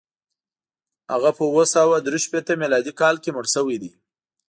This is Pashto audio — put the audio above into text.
هغه په اووه سوه درې شپېته میلادي کال کې مړ شوی دی.